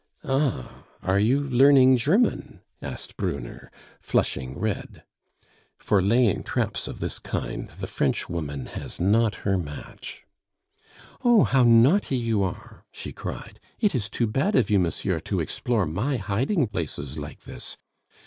"Ah! are you learning German?" asked Brunner, flushing red. (For laying traps of this kind the Frenchwoman has not her match!) "Oh! how naughty you are!" she cried; "it is too bad of you, monsieur, to explore my hiding places like this.